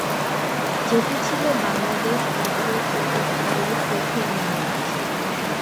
যেটি ছিল বাংলাদেশ জাতীয় ক্রিকেট দলের প্রথম ম্যাচ।